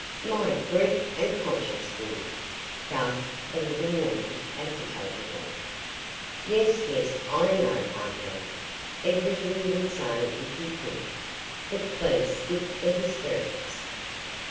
"My grief and conscience, WILLIAM!" gasped the little woman, agitatedly. "Yes, yes, I know, Aunt Hannah, everything you would say if you could. But please skip the hysterics.